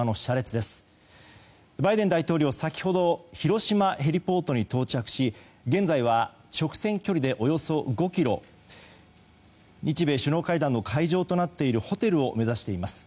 大統領先ほど、広島へリポートに到着し現在は直線距離でおよそ５ｋｍ日米首脳会談の会場となっているホテルを目指しています。